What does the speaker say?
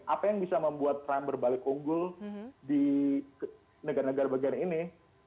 apa yang bisa membuat trump berbalik unggul di negara negara bagian ini